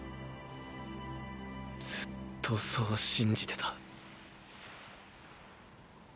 ずっとそう信じてた。